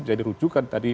bisa jadi rujukan